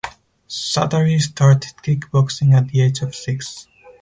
Sattari started kickboxing at the age of six.